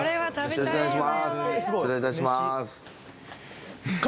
よろしくお願いします